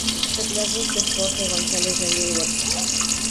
Teclados: Jorge Gonzales, Daniel Huertas.